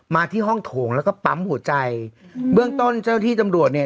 ที่ห้องโถงแล้วก็ปั๊มหัวใจเบื้องต้นเจ้าที่ตำรวจเนี่ย